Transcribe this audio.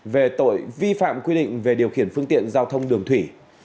về tội vi phạm quy định về điều khiển phương tiện giao thông đường thủy